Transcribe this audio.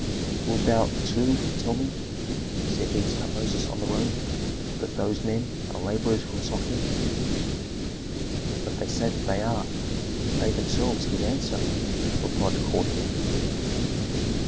"Wilt thou, too, tell me," said he to Tutmosis on the road, "that those men are laborers from Sochem?" "But they say that they are, they themselves give answer," replied the courtier.